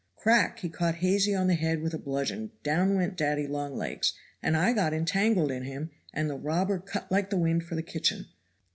Crack he caught Hazy on the head with a bludgeon, down went daddy long legs, and I got entangled in him, and the robber cut like the wind for the kitchen.